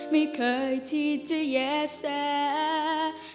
ไม่เคยที่จะแย่แส